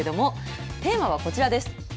テーマはこちらです。